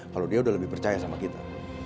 kalau dia udah lebih percaya sama kita